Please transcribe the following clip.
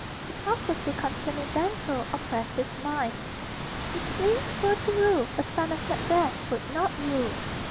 The prophecy concerning Banquo oppressed his mind. If Fleance were to rule, a son of Macbeth would not rule.